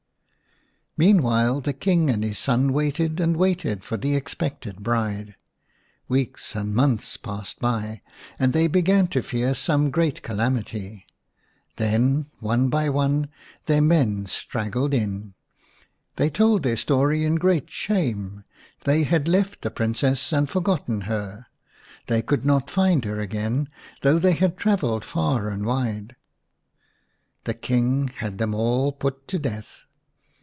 Meanwhile the King and his son waited and /'waited for the expected bride./ Weeks and months passed by, and they began to fear some great calamity. , Then, one by one, their men straggled iiL/They told their story in great shame ; they had left the Princess and for gotten her. They could not find her again, though they had travelled far and wide. The King had them all put to death.